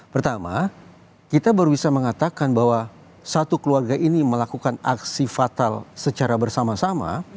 pertama kita baru bisa mengatakan bahwa satu keluarga ini melakukan aksi fatal secara bersama sama